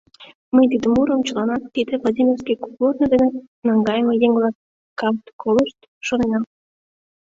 — Ме тиде мурым чыланат, тиде Владимирский кугорно дене наҥгайыме еҥ-влакат колышт, шонена.